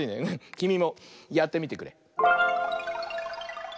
きみもやってみてくれ！